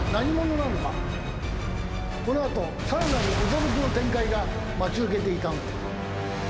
この後さらなる驚きの展開が待ち受けていたのです。